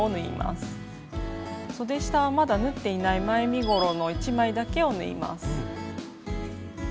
そで下はまだ縫っていない前身ごろの１枚だけを縫います。